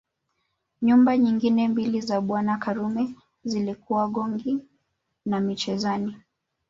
Nyumba nyingine mbili za Bwana Karume zilikuwa Gongoni na Michenzani